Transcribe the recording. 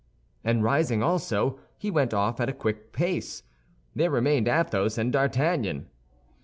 And rising also, he went off at a quick pace. There remained Athos and D'Artagnan.